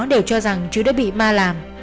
đều cho rằng trứ đã bị ma làm